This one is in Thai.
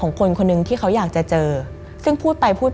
มันกลายเป็นรูปของคนที่กำลังขโมยคิ้วแล้วก็ร้องไห้อยู่